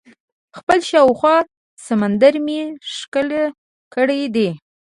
خپل شاوخوا سمندر مې ښکل کړی دئ.